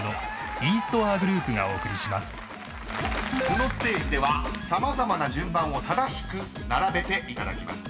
［このステージでは様々な順番を正しく並べていただきます］